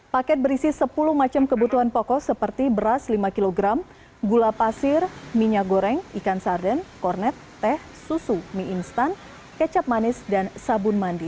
paket berisi sepuluh macam kebutuhan pokok seperti beras lima kg gula pasir minyak goreng ikan sarden kornet teh susu mie instan kecap manis dan sabun mandi